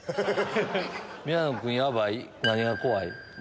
宮野君ヤバい？何が怖い？